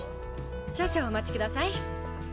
少々お待ちください。